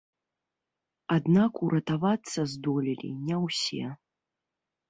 Аднак уратавацца здолелі не ўсе.